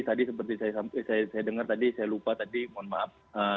tadi seperti saya dengar tadi saya lupa tadi mohon maaf